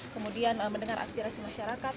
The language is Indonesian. kemudian mendengar aspirasi masyarakat